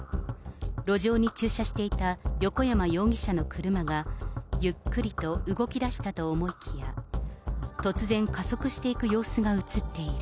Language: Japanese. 路上に駐車していた横山容疑者の車が、ゆっくりと動きだしたと思いきや、突然、加速していく様子が写っている。